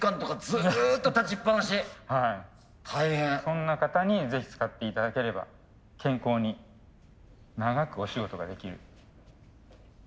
そんな方にぜひ使って頂ければ健康に長くお仕事ができる。